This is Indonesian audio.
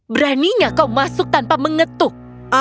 beraninya kau masuk tanpa mengetuk